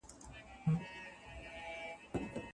ړوند اوکوڼ سي له نېکیه یې زړه تور سي